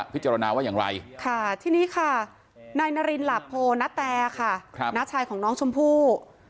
เพราะเขามีที่พึ่งอยู่